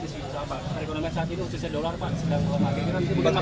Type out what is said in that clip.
dari pengalaman saat ini ususnya dolar pak